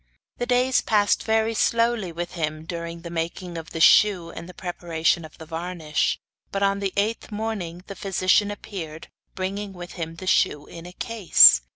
The days passed very slowly with him during the making of the shoe and the preparation of the varnish, but on the eighth morning the physician appeared, bringing with him the shoe in a case.